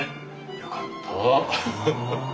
よかった。